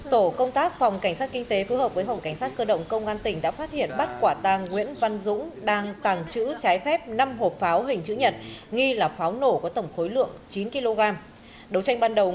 tổ công tác phòng cảnh sát kinh tế phù hợp với hồng cảnh sát cơ động công an tỉnh đã phát hiện bắt quả tàng nguyễn văn dũng đang tàng trữ trái phép năm hộp pháo hình chữ nhật